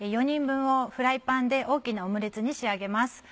４人分をフライパンで大きなオムレツに仕上げます。